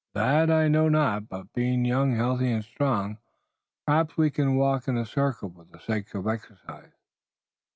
"That I know not, but being young, healthy and strong, perhaps we walk in a circle for the sake of exercise."